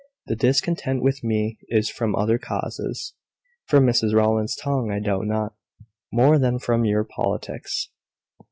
The discontent with me is from other causes." "From Mrs Rowland's tongue, I doubt not, more than from your politics."